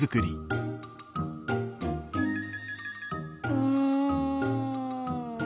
うん。